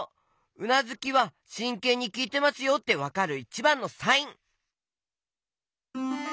うなずきは「しんけんにきいてますよ」ってわかるいちばんのサイン。